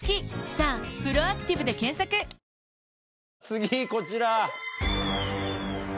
次こちら。